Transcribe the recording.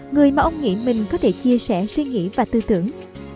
người mà ông nghĩ mình có thể chia sẻ suy nghĩ và tư tưởng